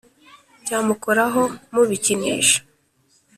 Byamukoraho mubikinisha!"